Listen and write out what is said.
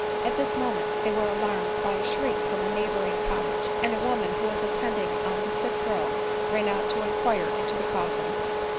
At this moment they were alarmpd by a shriek from a neighboring cottage, and a woman who was attending on the sick girl ran out to inquire into the cause of it.